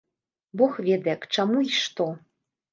Бог ведае, к чаму й што?